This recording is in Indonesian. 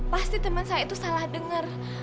pasti teman saya itu salah dengar